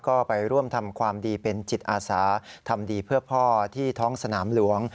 ก็ไปร่วมทำความดีเป็นจิตอาสาทำดีเพื่อพ่อที่ท้องสนามหลวง